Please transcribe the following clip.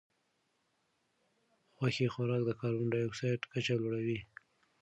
غوښې خوراک د کاربن ډای اکسایډ کچه لوړوي.